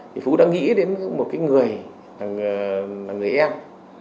thì phú đã nghĩ đến một cái người là người em